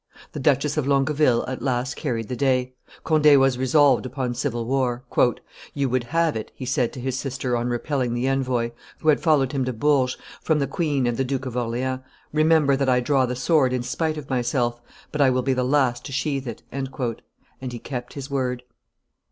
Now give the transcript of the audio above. The Duchess of Longueville at last carried the day; Conde was resolved upon civil war. "You would have it," he said to his sister on repelling the envoy, who had followed him to Bourges, from the queen and the Duke of Orleans; "remember that I draw the sword in spite of myself, but I will be the last to sheathe it." And he kept his word.